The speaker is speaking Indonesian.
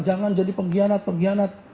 jangan jadi pengkhianat pengkhianat